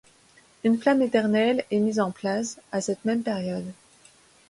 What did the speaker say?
Une flamme éternelle est mise en place à cette même période.